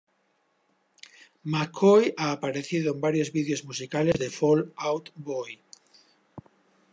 McCoy ha aparecido en varios vídeos musicales de Fall Out Boy.